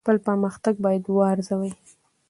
خپل پرمختګ باید وارزوئ.